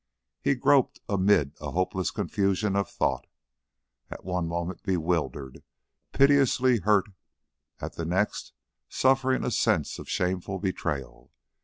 He groped amid a hopeless confusion of thought at one moment bewildered, piteously hurt, at the next suffering a sense of shameful betrayal.